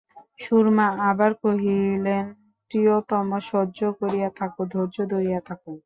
সুরমা আবার কহিলেন, প্রিয়তম, সহ্য করিয়া থাকো, ধৈর্য ধরিয়া থাকো।